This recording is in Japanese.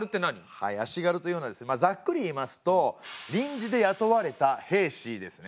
はい足軽というのはまあざっくり言いますと臨時で雇われた兵士ですね。